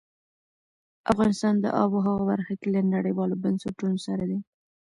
افغانستان د آب وهوا برخه کې له نړیوالو بنسټونو سره دی.